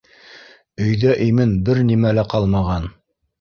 Өйҙә имен бер нимә лә ҡалмаған.